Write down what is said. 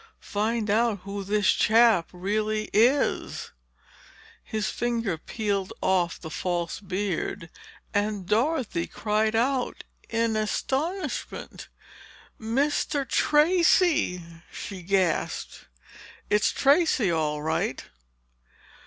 "Find out who this chap really is." His fingers peeled off the false beard and Dorothy cried out in astonishment. "Mr. Tracey!" she gasped. "It's Tracey, all right!"